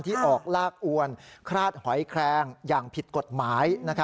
ออกลากอวนคลาดหอยแคลงอย่างผิดกฎหมาย